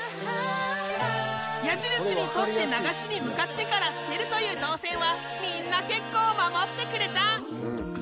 矢印に沿って流しに向かってから捨てるという動線はみんな結構守ってくれた！